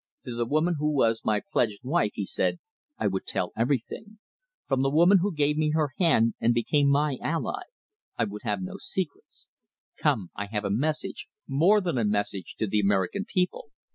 "To the woman who was my pledged wife," he said, "I would tell everything. From the woman who gave me her hand and became my ally I would have no secrets. Come, I have a message, more than a message, to the American people.